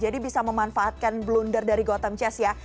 jadi bisa memanfaatkan blunder dari gotham chess ya